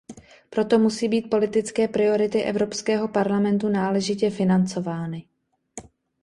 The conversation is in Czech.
Proto musí být politické priority Evropského parlamentu náležitě financovány.